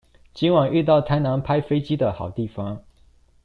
今晚遇到台南拍飛機的好地方